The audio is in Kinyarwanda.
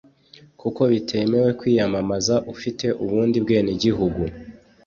kuko bitemewe kwiyamamaza ufite ubundi bwenegihugu